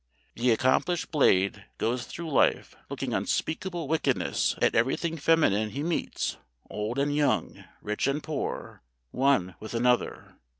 The accomplished Blade goes through life looking unspeakable wickedness at everything feminine he meets, old and young, rich and poor, one with another.